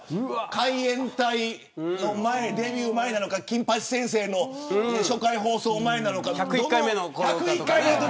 海援隊の前、デビュー前なのか金八先生の初回放送前なのか１０１回目のとき。